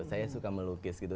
saya suka melukis gitu